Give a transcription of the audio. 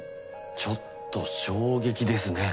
ちょっと衝撃ですね。